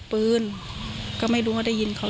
โทรไปถามว่าแม่ช่วยด้วยถูกจับ